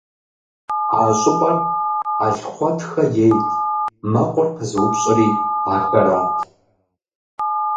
А щӏыпӏэр Алгъуэтхэ ейт, мэкъур пызыупщӏри ахэрат.